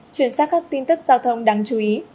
chuyển sang các tin tức giao thông đáng chú ý